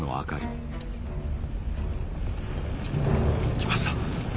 来ました。